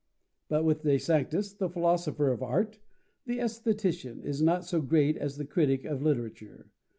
But with De Sanctis, the philosopher of art, the aesthetician, is not so great as the critic of literature.